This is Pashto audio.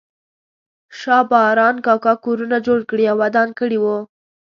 شا باران کاکا کورونه جوړ کړي او ودان کړي وو.